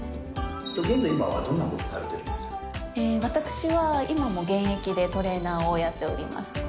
今はどんなことされてるんで私は今も現役でトレーナーをやっております。